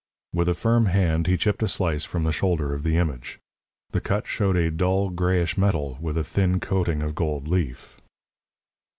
With a firm hand, he chipped a slice from the shoulder of the image. The cut showed a dull, grayish metal, with a thin coating of gold leaf.